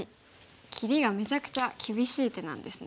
切りがめちゃくちゃ厳しい手なんですね。